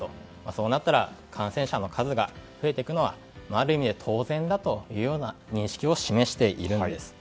そうなったら感染者の数が増えていくのはある意味で当然だというような認識を示しているんです。